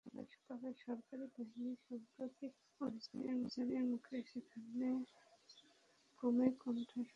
তবে সরকারি বাহিনীর সাম্প্রতিক অভিযানের মুখে সেখানে ক্রমেই কোণঠাসা হয়ে পড়ছে বিদ্রোহীরা।